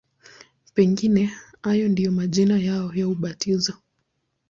Pengine hayo ndiyo majina yao ya ubatizo.